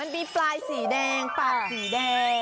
มีปลายสีแดงปากสีแดง